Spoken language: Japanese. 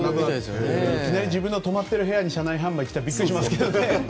いきなり自分が泊まってる部屋に車内販売来たらビックリしますけどね。